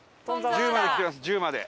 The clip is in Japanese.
１０まで。